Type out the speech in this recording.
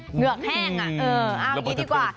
เหงือกแห้งเอาอย่างนี้ดีกว่า